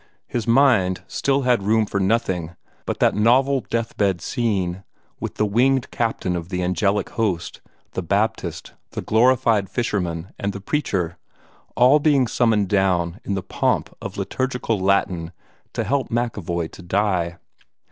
His mind still had room for nothing but that novel death bed scene, with the winged captain of the angelic host, the Baptist, the glorified Fisherman and the Preacher, all being summoned down in the pomp of liturgical Latin to help MacEvoy to die.